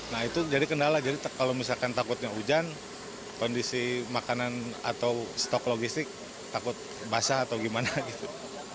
nah itu jadi kendala jadi kalau misalkan takutnya hujan kondisi makanan atau stok logistik takut basah atau gimana gitu